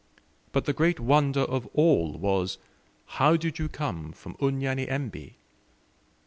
But the great wonder of all was, "How did you come from Unyanyembe?"